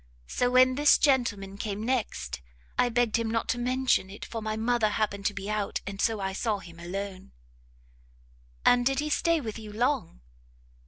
so when this gentleman came next, I begged him not to mention it, for my mother happened to be out, and so I saw him alone." "And did he stay with you long?"